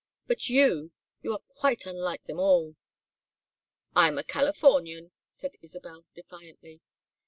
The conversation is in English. But you you are quite unlike them all." "I am a Californian," said Isabel, defiantly.